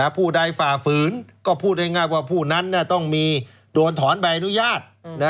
ผู้ใดฝ่าฝืนก็พูดง่ายว่าผู้นั้นต้องมีโดนถอนใบอนุญาต